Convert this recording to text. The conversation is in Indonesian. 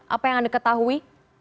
apa yang anda ketahui